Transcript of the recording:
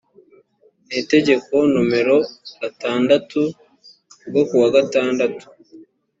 n itegeko nomero gatandatu ryo kuwa gatandatu